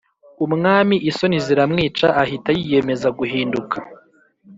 umwami isoni ziramwica ahita yiyemeza guhinduka